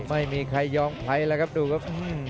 ไม่มีใครยอมใครแล้วครับดูครับ